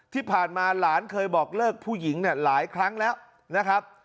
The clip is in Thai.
ที่ผ่านมาหลานเคยบอกเลิกผู้หญิงเนี่ยหลายครั้งแล้วนะครับ